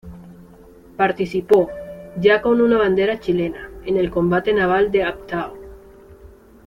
Participó, ya con bandera chilena, en el combate naval de Abtao.